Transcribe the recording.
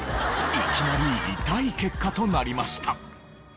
いきなりイタイ結果となりました。